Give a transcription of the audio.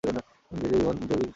জাতীয় জীবন জৈবিক শক্তির ব্যাপার।